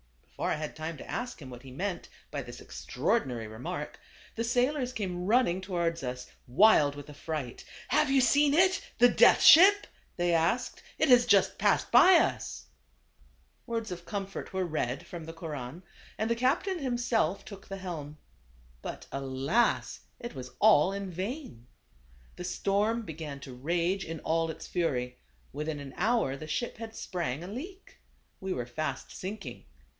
Before I had time to ask him what he meant by this extraordinary remark, the sailors came running towards us, wild with affright. " Have you seen it — the Death Ship ?" they asked. "It has just passed by us !" THE CAE AVAN. 109 Words of comfort were read from the Koran, and the captain himself took the helm. But alas ! it was all in vain. The storm began to rage in all its fury ; within an hour the ship had sprang aleak; we were fast sinking.